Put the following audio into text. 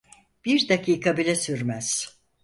Bir dakika bile sürmez.